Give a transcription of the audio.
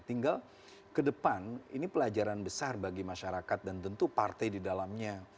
tinggal ke depan ini pelajaran besar bagi masyarakat dan tentu partai di dalamnya